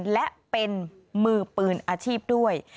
และเป็นมือปืนอาชีพด้วย